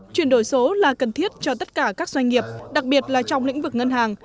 chuyển đổi số là cần thiết cho tất cả các doanh nghiệp đặc biệt là trong lĩnh vực ngân hàng